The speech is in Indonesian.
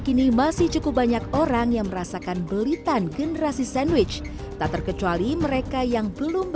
kini masih cukup banyak orang yang merasakan belitan generasi sandwich tak terkecuali mereka yang belum